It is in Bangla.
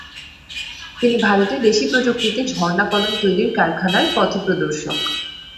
তিনি ভারতে দেশি প্রযুক্তিতে ঝর্ণা কলম তৈরির কারখানার পথপ্রদর্শক।